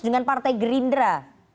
dengan partai gerindra